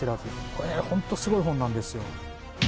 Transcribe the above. これ、本当すごい本なんですよ。